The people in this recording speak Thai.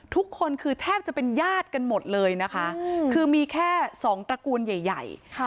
ทุกคนคือแทบจะเป็นญาติกันหมดเลยนะคะคือมีแค่สองตระกูลใหญ่